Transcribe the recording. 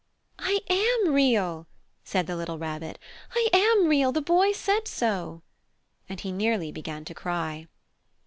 "I am Real!" said the little Rabbit. "I am Real! The Boy said so!" And he nearly began to cry.